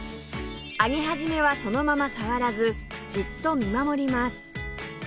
揚げ始めはそのまま触らずじっと見守ります